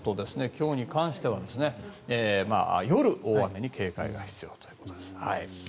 今日に関しては夜、大雨に警戒が必要ということです。